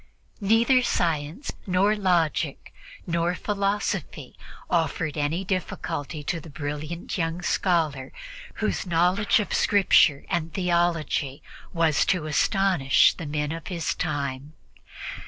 Neither science nor logic nor philosophy offered any difficulty to the brilliant young scholar, whose knowledge of Scripture and of theology was to astonish the men of his time.